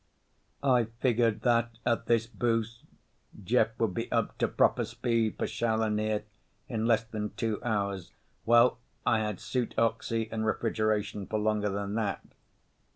I figured that at this boost Jeff would be up to proper speed for Shaula near in less than two hours. Well, I had suit oxy and refrigeration for longer than that.